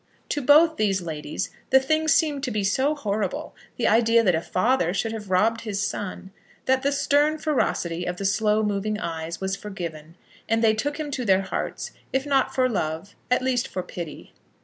To both these ladies the thing seemed to be so horrible, the idea that a father should have robbed his son, that the stern ferocity of the slow moving eyes was forgiven, and they took him to their hearts, if not for love, at least for pity.